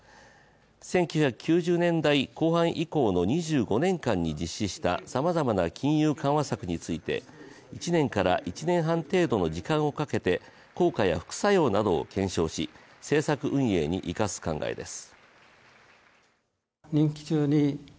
１９９０年代後半以降の２５年間に実施したさまざまな金融緩和策について１年から１年半程度の時間をかけて効果や副作用などを検証し政策運営に生かす考えです。